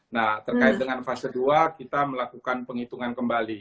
nah terkait dengan fase dua kita melakukan penghitungan kembali